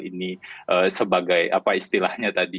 ini sebagai apa istilahnya tadi